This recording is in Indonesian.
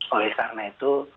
oleh karena itu